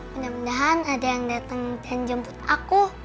mudah mudahan ada yang dateng dan jemput aku